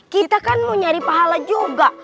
kita kan mau nyari pahala juga